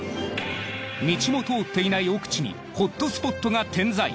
道も通っていない奥地にホットスポットが点在。